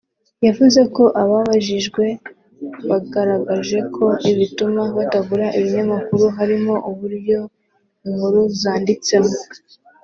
yavuze ko ababajijwe bagaragaje ko ibituma batagura ibinyamakuru harimo uburyo inkuru zanditsemo